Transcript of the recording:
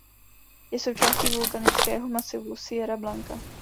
Je součástí vulkanického masivu Sierra Blanca.